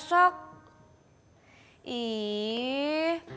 kok mendadak banget sih